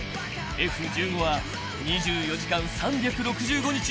［Ｆ−１５は２４時間３６５日